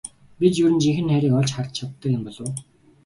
Бид ер нь жинхэнэ хайрыг олж харж чаддаг болов уу?